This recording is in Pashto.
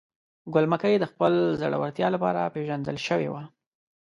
ګل مکۍ د خپل زړورتیا لپاره پیژندل شوې وه.